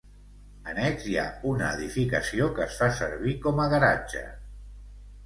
Annex hi ha una edificació que es fa servir com a garatge.